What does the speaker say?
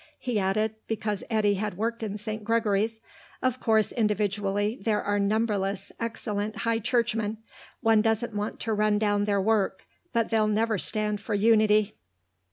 He added, because Eddy had worked in St. Gregory's, "Of course, individually, there are numberless excellent High Churchmen; one doesn't want to run down their work. But they'll never stand for unity."